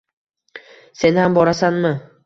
Sen ham borasanmi?